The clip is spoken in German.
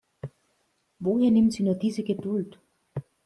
Woher nimmt sie nur diese Geduld?